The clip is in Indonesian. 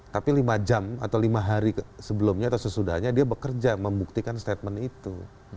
tapi lima jam atau lima hari sebelumnya atau sesudahnya dia bekerja membuktikan statement itu